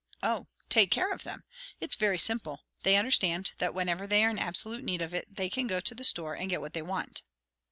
"O, take care of them. It's very simple. They understand that whenever they are in absolute need of it, they can go to the store and get what they want."